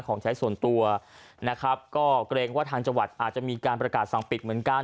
ของใช้ส่วนตัวนะครับก็เกรงว่าทางจังหวัดอาจจะมีการประกาศสั่งปิดเหมือนกัน